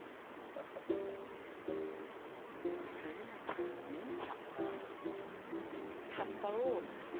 摘むのはミント。